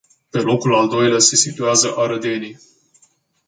Pe locul al doilea se situează arădenii.